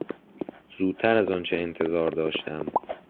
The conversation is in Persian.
زودتر از آنچه انتظار داشتم